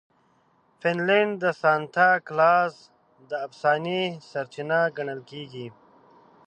فنلنډ د سانتا کلاز د افسانې سرچینه ګڼل کیږي.